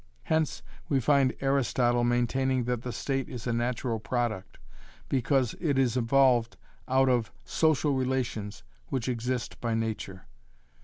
Hence we find Aristotle maintaining that the State is a natural product, because it is evolved out of social relations which exist by nature.